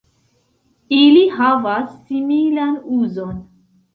Ili havas similan uzon.